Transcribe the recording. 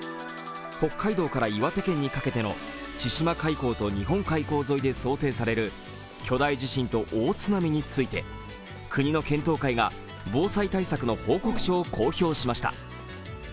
北海道から岩手県にかけての千島海溝と日本海溝沿いで想定される巨大地震と大津波について国の検討会が防災対策の報告書を公表しました。